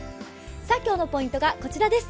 今日のポイントがこちらです。